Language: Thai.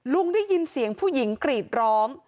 ลุงได้ยินเสียงผู้หญิงกรีดร้อง